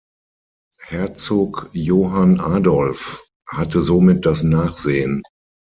Herzog Johann Adolf hatte somit das Nachsehen.